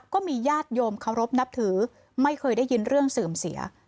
ก็มีญาติโยมเคารพนับถือไม่เคยได้ยินเรื่องเสื่อมเสีย